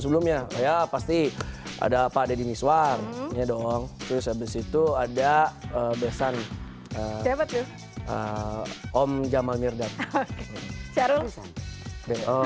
sebelumnya ya pasti ada pak deddy miswan nya dong terus habis itu ada besan om jamal mirdam